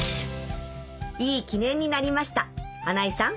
いい記念になりました穴井さん